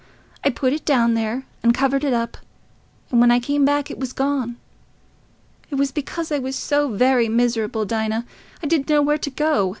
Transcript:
I put it down there and covered it up, and when I came back it was gone.... It was because I was so very miserable, Dinah... I didn't know where to go...